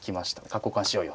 角交換しようよと。